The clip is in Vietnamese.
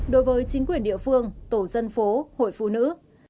đối với chính quyền địa phương tổ dân phố hội phụ nữ